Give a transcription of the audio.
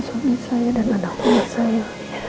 suami saya dan anak anak saya